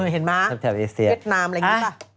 เห็นมะเทพเอเมร์กเล็กนามอะไรอย่างนี้ท่ะ